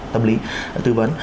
tâm lý tư vấn